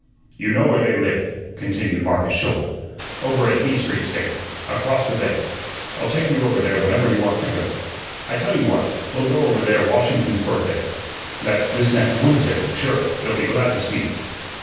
"You know where they live," continued Marcus Schouler. "Over at B Street station, across the bay. I'll take you over there whenever you want to go. I tell you what, we'll go over there Washington's Birthday. That's this next Wednesday; sure, they'll be glad to see you."